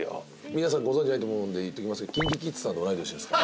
皆さんご存じないと思うんで言っときますけどＫｉｎＫｉＫｉｄｓさんと同い年ですから。